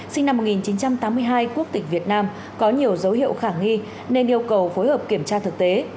sinh năm một nghìn chín trăm tám mươi hai quốc tịch việt nam có nhiều dấu hiệu khả nghi nên yêu cầu phối hợp kiểm tra thực tế